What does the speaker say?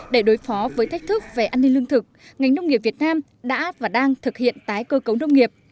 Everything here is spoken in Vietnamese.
để đối phó với thách thức về an ninh lương thực ngành nông nghiệp việt nam đã và đang thực hiện tái cơ cấu nông nghiệp